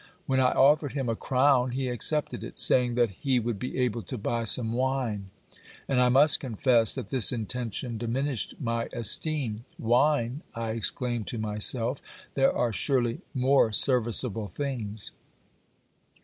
When I offered him a crown he accepted it, saying that he would be able to buy some wine, and I must confess that this intention diminished my esteem. Wine! I exclaimed to myself; there are surely more serviceable things.